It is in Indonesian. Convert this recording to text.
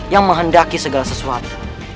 yang menghendaki segala sesuatu